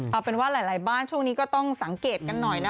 เอาเป็นว่าหลายบ้านช่วงนี้ก็ต้องสังเกตกันหน่อยนะ